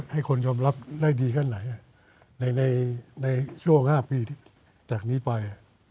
ให้คนยอมรับได้ดีแค่ไหนในช่วง๕ปีจากนี้ไป